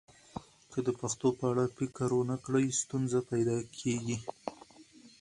که د پېښو په اړه فکر ونه کړئ، ستونزه پیدا کېږي.